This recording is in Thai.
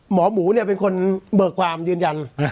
หมอหมูเนี่ยเป็นคนเบิกความยืนยัน